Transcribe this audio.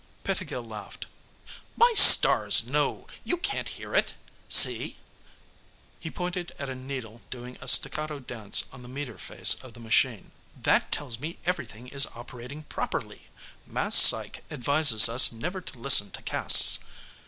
Pettigill laughed. "My stars, no; you can't hear it. See " He pointed at a needle doing a staccato dance on the meter face of the machine. "That tells me everything is operating properly. Mass Psych advises us never to listen to 'casts.